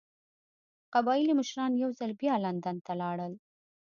قبایلي مشران یو ځل بیا لندن ته لاړل.